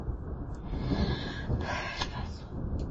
是次远征拜访了南极半岛外海的斯诺希尔岛。